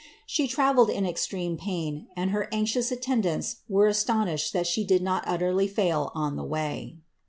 She travelled in extreme pain, and her anxious attendants rere astonished that she did not utterly fail on the way.